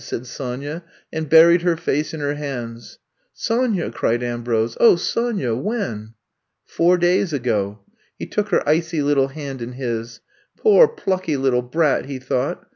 *' said Sonya, and buried her face in her hands. Sonya I '* cried Ambrose. Oh, Sonya I When?'' Four days ago. '' He took her icy little hand in his. Poor, plucky little brat," he thought.